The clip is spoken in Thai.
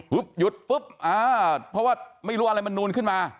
หยุดปุ๊บอ่าเพราะว่าไม่รู้อะไรมันนูนขึ้นมา